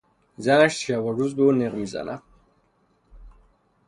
زنش شب و روز به او نق میزند.